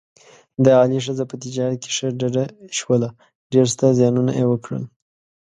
د علي ښځه په تجارت کې ښه ډډه شوله، ډېر ستر زیانونه یې وکړل.